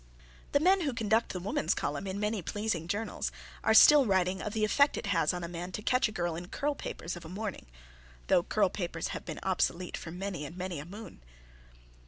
The men who conduct the "Woman's Column" in many pleasing journals are still writing of the effect it has on a man to catch a girl in curl papers of a morning, though curl papers have been obsolete for many and many a moon.